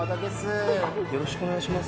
よろしくお願いします。